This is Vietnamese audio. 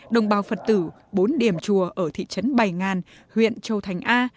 đồng bào phật tử bốn điểm chùa ở thị trấn bày ngan huyện châu thành a